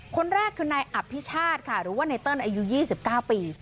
คนแรกคือในอภิชาธิ์ค่ะหรือว่าในเติ้ลอายุยี่สิบเก้าปี